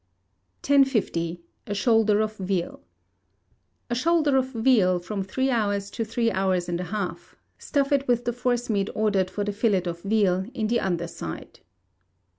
1050. A Shoulder of Veal A shoulder of veal, from three hours to three hours and a half: stuff it with the forcemeat ordered for the fillet of veal, in the under side.